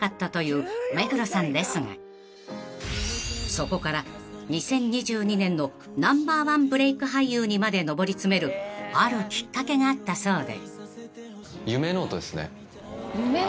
［そこから２０２２年のＮｏ．１ブレイク俳優にまで上り詰めるあるきっかけがあったそうで］